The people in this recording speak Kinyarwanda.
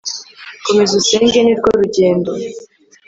komeza usenge ni rwo rugendo